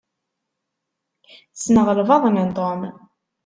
Sneɣ lbaḍna n Tom.